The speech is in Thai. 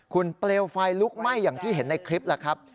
คุณเปลวไฟลุกไหม้อย่างที่เห็นในคลิปล่ะครับ